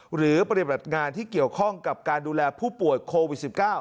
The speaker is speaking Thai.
หรือปฏิบัติงานที่เกี่ยวข้องกับการดูแลผู้ป่วยโควิด๑๙